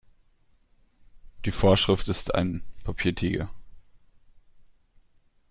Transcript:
Die Vorschrift ist ein Papiertiger.